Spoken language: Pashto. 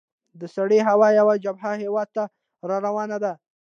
د سړې هوا یوه جبهه هیواد ته را روانه ده.